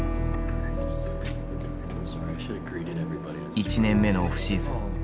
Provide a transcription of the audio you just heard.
１年目のオフシーズン。